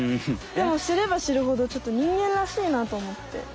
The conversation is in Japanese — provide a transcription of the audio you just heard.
でもしればしるほどちょっと人間らしいなあとおもって。